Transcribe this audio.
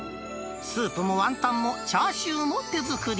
スープもワンタンもチャーシューも手作り。